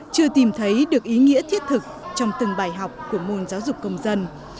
chưa tìm thấy được ý nghĩa thiết thực trong từng bài học của môn giáo dục công dân